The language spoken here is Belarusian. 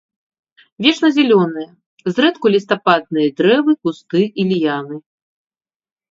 Вечназялёныя, зрэдку лістападныя дрэвы, кусты і ліяны.